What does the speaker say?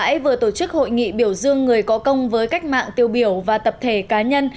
quỹ ban nhân dân tỉnh quảng ngãi vừa tổ chức hội nghị biểu dương người có công với cách mạng tiêu biểu và tập thể cá nhân